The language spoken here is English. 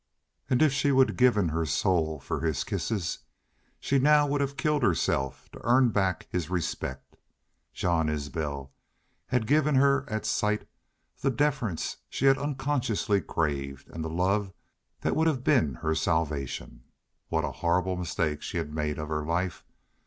And if she would have given her soul for his kisses, she now would have killed herself to earn back his respect. Jean Isbel had given her at sight the deference that she had unconsciously craved, and the love that would have been her salvation. What a horrible mistake she had made of her life!